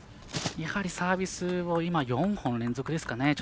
やはりサービスを今、４本連続ですかね。